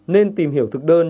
nên tìm hiểu thực đơn